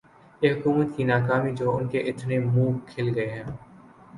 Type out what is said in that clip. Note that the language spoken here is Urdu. یہ حکومت کی ناکامی جو انکے اتنے منہ کھل گئے ہیں